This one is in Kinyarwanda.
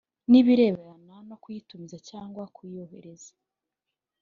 n ibirebana no kuyitumiza cyangwa kuyohereza